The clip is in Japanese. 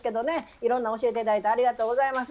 いろんな教えて頂いてありがとうございます。